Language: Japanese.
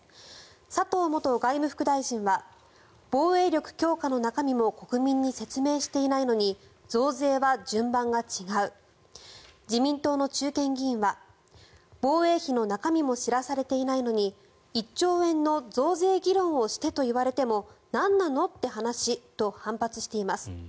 佐藤元外務副大臣は防衛力強化の中身も国民に説明していないのに増税は順番が違う自民党の中堅議員は防衛費の中身も知らされていないのに１兆円の増税議論をしてと言われてもなんなの？という話と反発しています。